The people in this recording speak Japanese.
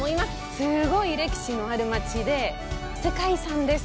すごい歴史のある街で世界遺産です。